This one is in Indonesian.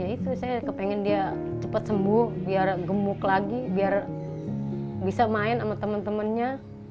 itu saya kepengen dia cepat sembuh biar gemuk lagi biar bisa main sama temen temennya